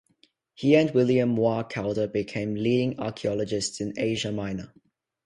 He and William Moir Calder became leading archaeologists in Asia Minor.